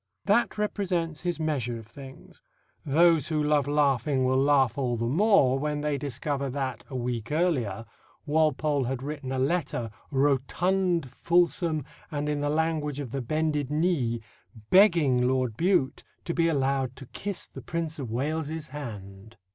That represents his measure of things. Those who love laughing will laugh all the more when they discover that, a week earlier, Walpole had written a letter, rotund, fulsome, and in the language of the bended knee, begging Lord Bute to be allowed to kiss the Prince of Wales's hand.